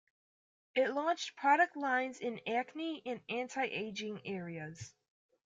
It launched product lines in acne and anti-aging areas.